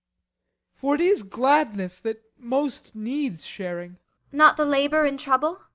For it is gladness that most needs sharing. ASTA. Not the labour and trouble?